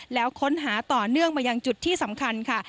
แล้วค้นหาต่อเนื่องมายังจุดที่สำคัญค่ะ